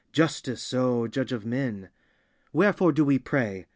Justice, O judge of men! Wherefore do we pray?